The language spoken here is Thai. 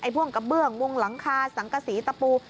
พวกกระเบื้องมุงหลังคาสังกษีตะปู